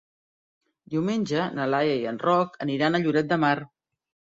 Diumenge na Laia i en Roc aniran a Lloret de Mar.